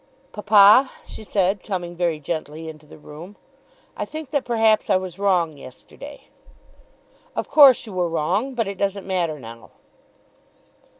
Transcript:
"Papa," she said, coming very gently into the room, "I think that perhaps I was wrong yesterday." "Of course you were wrong; but it doesn't matter now."